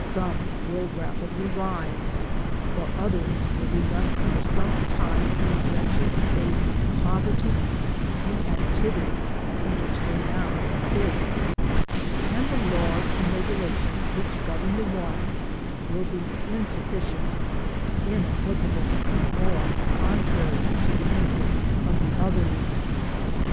Some will ra^dly rise, vUle others will be left for sometime in the wretched state of poverty and inactivity in which th^ now exist } and the laws and regulations which govern the one will be insufficient, iniqifdlcable, or con trary to the int^ests of tb$ others.